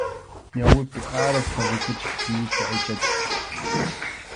Ñawipi arpha rikuchikuq llika aychacha.